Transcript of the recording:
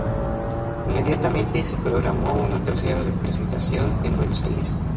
Inmediatamente se programó una tercera presentación en Buenos Aires.